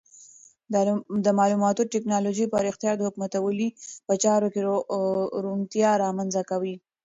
د معلوماتي ټکنالوژۍ پراختیا د حکومتولۍ په چارو کې روڼتیا رامنځته کوي.